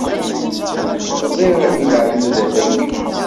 Nekk xḍiɣ i leɛyudat-agi.